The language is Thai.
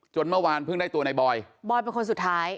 เมื่อวานเพิ่งได้ตัวในบอยบอยเป็นคนสุดท้าย